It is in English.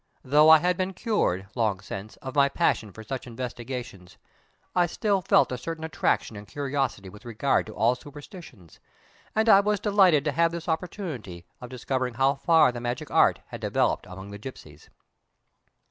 Though I had been cured, long since, of my passion for such investigations, I still felt a certain attraction and curiosity with regard to all superstitions, and I was delighted to have this opportunity of discovering how far the magic art had developed among the gipsies.